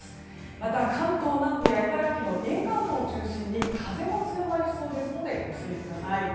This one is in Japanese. また関東南部や茨城の沿岸部を中心に風も強まりそうですのでご注意ください。